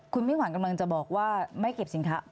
คุณมิ่งขวัญกำลังจะบอกว่าไม่เก็บสินค้า